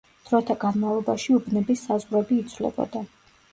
დროთა განმავლობაში უბნების საზღვრები იცვლებოდა.